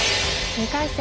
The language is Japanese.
２回戦